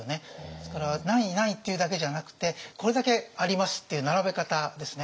ですから何位何位っていうだけじゃなくてこれだけありますっていう並べ方ですね。